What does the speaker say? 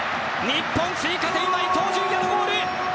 日本、追加点は伊東純也のゴール！